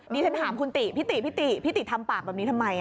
ดิฉันถามคุณติพี่ติพี่ติพี่ติทำปากแบบนี้ทำไม